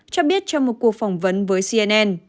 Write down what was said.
cho biết trong một cuộc phỏng vấn với cnn